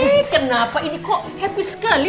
ini kenapa ini kok happy sekali